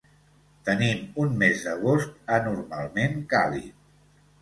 Tenim un mes d'agost anormalment càlid.